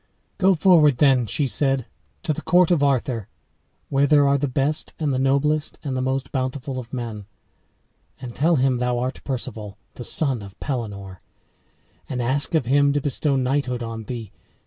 "Go forward, then," she said, "to the court of Arthur, where there are the best and the noblest and the most bountiful of men, and tell him thou art Perceval, the son of Pelenore, and ask of him to bestow knighthood on thee.